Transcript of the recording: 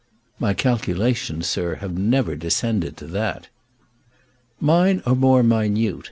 "My calculations, sir, have never descended to that." "Mine are more minute.